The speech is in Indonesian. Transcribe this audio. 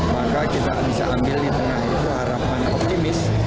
maka kita bisa ambil di tengah itu harapannya optimis